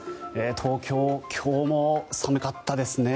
東京、今日も寒かったですね。